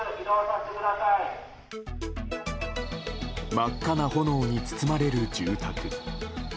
真っ赤な炎に包まれる住宅。